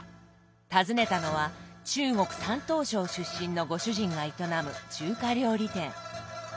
訪ねたのは中国山東省出身のご主人が営む中華料理店。